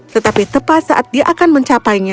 tetapi tepat saat dia akan mencapainya